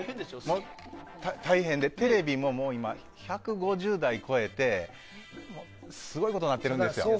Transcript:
テレビも今１５０台超えてすごいことになっているんですよ。